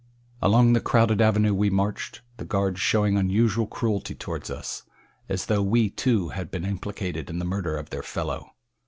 Along the crowded avenue we marched, the guards showing unusual cruelty toward us, as though we, too, had been implicated in the murder of their fellow.